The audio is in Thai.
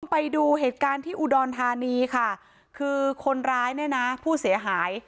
ไปดูเหตุการณ์ที่อุดรธานีค่ะคือคนร้ายเนี่ยนะผู้เสียหาย